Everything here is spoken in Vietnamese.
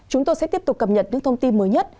chúng tôi sẽ tiếp tục cập nhật những thông tin mới nhất